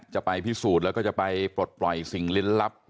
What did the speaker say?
จะไปพิสูจน์แล้วก็จะไปปลดปล่อยสิ่งลิ้นลับ